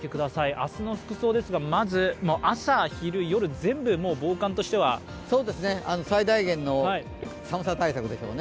明日の服装ですが、朝、昼、夜全部、最大限の寒さ対策でしょうね。